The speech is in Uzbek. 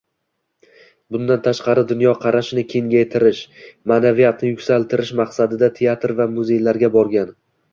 Bundan tashqari, dunyoqarashini kengaytirish, ma`naviyatini yuksaltirish maqsadida teatr va muzeylarga borgan